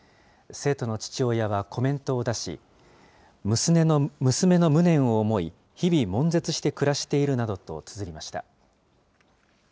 生徒の父親はコメントを出し、娘の無念を思い、日々、悶絶して暮らしているなどとつづりました。